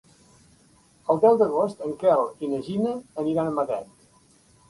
El deu d'agost en Quel i na Gina aniran a Matet.